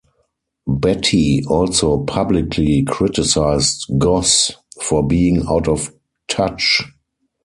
Beattie also publicly criticised Goss for being out of touch.